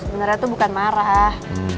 sebenernya tuh bukan marah